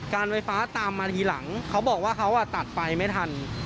การไฟฟ้าตามมาทีหลังเขาบอกว่าเขาตัดไฟไม่ทัน